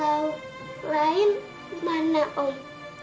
lau lain mana om